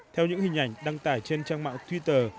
theo những hình ảnh đăng tải trên trang mạng twitter